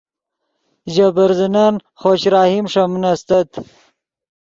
ژے برزنن خوش رحیم ݰے من استت